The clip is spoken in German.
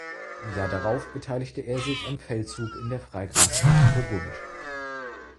Im Jahr darauf beteiligte er sich am Feldzug in der Freigrafschaft Burgund.